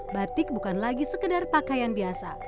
batik bukan lagi sekedar pakaian biasa